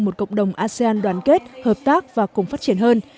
một cộng đồng asean đoàn kết hợp tác và cùng phát triển hơn